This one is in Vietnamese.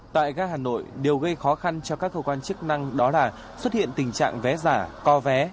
tại ga hà nội điều gây khó khăn cho các cơ quan chức năng đó là xuất hiện tình trạng vé giả co vé